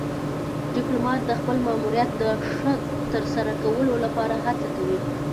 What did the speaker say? ډيپلومات د خپل ماموریت د ښه ترسره کولو لپاره هڅه کوي.